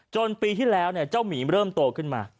ปีที่แล้วเจ้าหมีเริ่มโตขึ้นมา